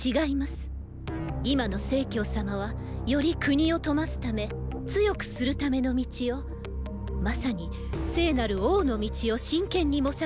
今の成様はより国を富ますため強くするための道をーーまさに聖なる王の道を真剣に模索されています。